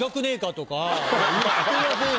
言ってませんよ